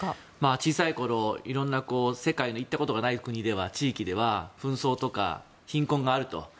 小さいころ、いろんな世界の行ったことがない地域では紛争とか貧困があると。